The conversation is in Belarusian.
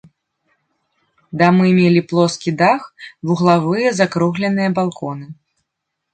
Дамы мелі плоскі дах, вуглавыя закругленыя балконы.